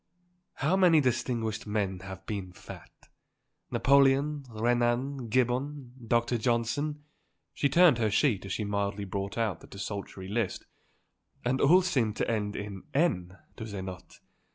How many distinguished men have been fat. Napoleon, Renan, Gibbon, Dr. Johnson " she turned her sheet as she mildly brought out the desultory list. "And all seem to end in n, do they not?